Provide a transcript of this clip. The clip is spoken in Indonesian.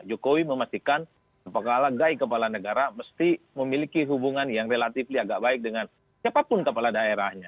jokowi memastikan segala gai kepala negara mesti memiliki hubungan yang relatif agak baik dengan siapapun kepala daerahnya